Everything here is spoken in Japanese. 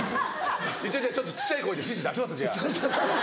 一応ちょっと小っちゃい声で指示出しますじゃあ。